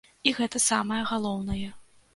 І гэта самае галоўнае.